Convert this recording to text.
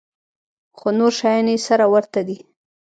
خو نور شيان يې سره ورته دي.